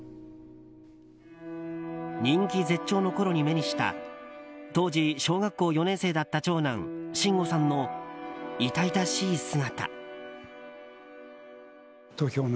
人気絶頂のころに目にした当時、小学校４年生だった長男・真吾さんの痛々しい姿。